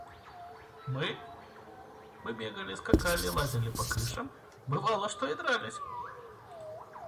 Мы?.. Мы бегали, скакали, лазили по крышам. бывало, что и дрались.